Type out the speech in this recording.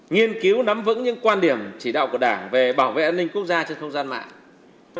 nghiên cứu nắm vững những quan điểm chỉ đạo của đảng về bảo vệ an ninh quốc gia trên không gian mạng